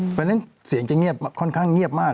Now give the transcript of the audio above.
เพราะฉะนั้นเสียงจะเงียบค่อนข้างเงียบมาก